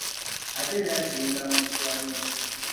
Ate era aziyimba mu luswayiri .